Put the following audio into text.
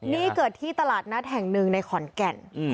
นี่เกิดที่ตลาดนัดแห่งหนึ่งในขอนแก่น